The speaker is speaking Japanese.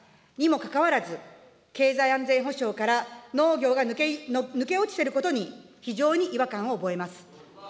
にもかかわらず、経済安全保障から農業が抜け落ちていることに、非常に違和感を覚えます。